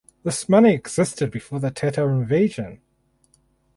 This money existed before the Tatar invasion.